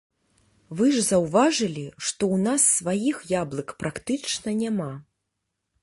Вы ж заўважылі, што ў нас сваіх яблык практычна няма.